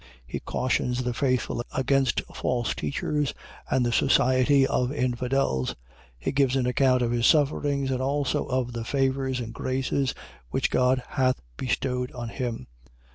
He cautions the faithful against false teachers and the society of infidels. He gives an account of his sufferings and also of the favours and graces which God hath bestowed on him.